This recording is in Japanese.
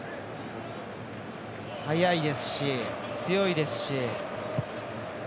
速いですし、強いですし。